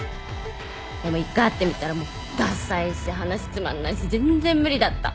でも１回会ってみたらもうださいし話つまんないし全然無理だった。